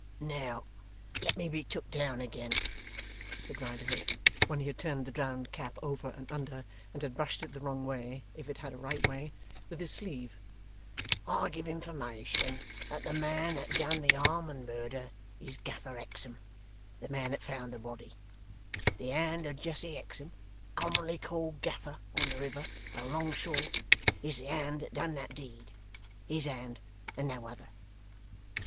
'Now let me be took down again,' said Riderhood, when he had turned the drowned cap over and under, and had brushed it the wrong way (if it had a right way) with his sleeve. 'I give information that the man that done the Harmon Murder is Gaffer Hexam, the man that found the body. The hand of Jesse Hexam, commonly called Gaffer on the river and along shore, is the hand that done that deed. His hand and no other.